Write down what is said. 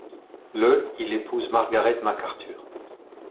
Le il épouse Margaret McArthur.